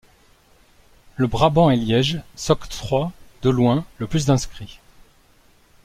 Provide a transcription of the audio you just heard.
Le Brabant et Liège s'octroient de loin le plus d'inscrits.